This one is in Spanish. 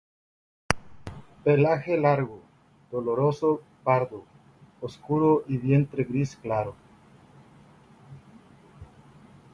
Pelaje largo, dorso pardo oscuro y vientre gris claro.